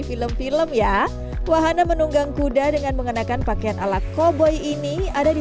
film film ya wahana menunggang kuda dengan mengenakan pakaian alat koboi ini ada di